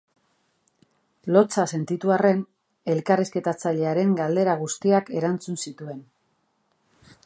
Lotsa sentitu arren elkarrizketatzailearen galdera guztiak erantzun zituen.